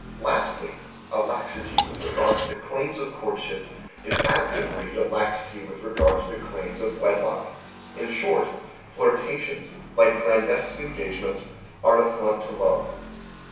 Lastly, A laxity with regard to the claims of courtship is apt to breed a laxity with regard to the claims of wedlock. In short, Flirtations, like clandestine engagements, are an affront to love.